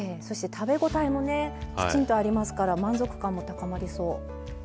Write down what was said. そして食べ応えもねきちんとありますから満足感も高まりそう。